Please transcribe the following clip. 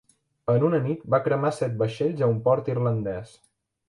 En una nit va cremar set vaixells a un port irlandès.